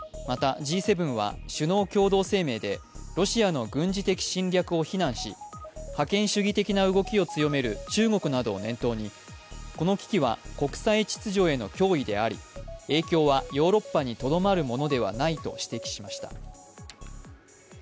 またＧ７は首脳共同声明でロシアの軍事的侵略を非難し覇権主義的な動きを強める中国などを念頭にこの危機は、国際秩序への脅威であり影響はヨーロッパにどとまるものではないと指摘しました。